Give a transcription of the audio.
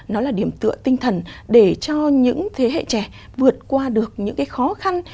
nó là điểm tựa tinh thần để cho những thế hệ trẻ vượt qua được những cái khó khăn